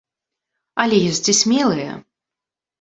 Але ёсць і смелыя.